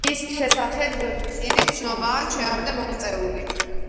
მის შესახებ მწირი ცნობებია ჩვენამდე მოღწეული.